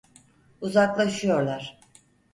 Uzaklaşıyorlar.